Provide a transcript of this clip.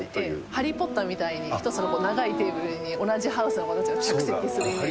ハリー・ポッターみたいに１つの長いテーブルに同じハウスの子たちが着席するイメージです。